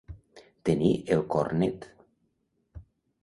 Tenir el cor net.